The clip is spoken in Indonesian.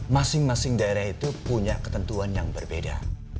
masing masing daerah itu punya ketentuan yang berbeda